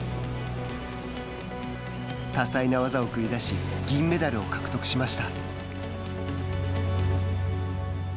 多彩な技を繰り出し銀メダルを獲得しました。